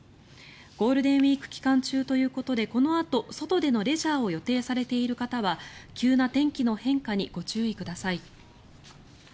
ゴールデンウィーク期間中ということでこのあと、外でのレジャーを予定されている方は急な天気の変化にご注意ください。